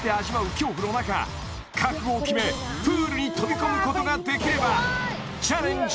恐怖の中覚悟を決めプールに飛び込むことができればチャレンジ